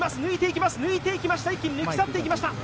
抜いていきました、一気に抜き去っていきました！